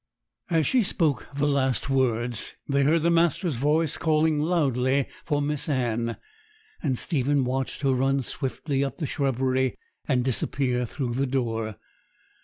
"' As she spoke the last words, they heard the master's voice calling loudly for Miss Anne, and Stephen watched her run swiftly up the shrubbery and disappear through the door.